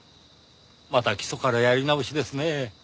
また基礎からやり直しですねぇ。